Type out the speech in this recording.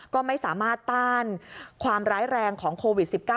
ก็ไม่สามารถต้านความร้ายแรงของโควิด๑๙